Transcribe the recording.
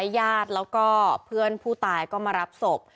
ยาตแล้วก็เพื่อนพู่ตายมารับศพ